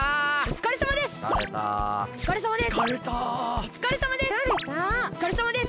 おつかれさまです！